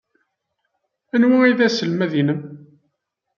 Anwa ay d aselmad-nnem?